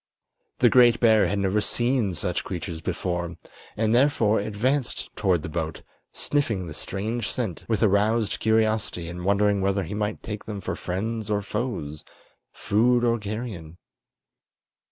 The great bear had never seen such creatures before, and therefore advanced toward the boat, sniffing the strange scent with aroused curiosity and wondering whether he might take them for friends or foes, food or carrion.